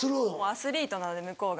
アスリートなので向こうが。